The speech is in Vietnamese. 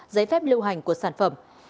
giấy phép lưu hành của sản phẩm